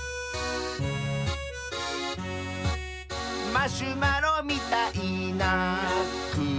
「マシュマロみたいなくものした」